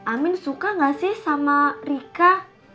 amin suka gak sih sama rika